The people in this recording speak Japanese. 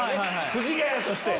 藤ヶ谷として。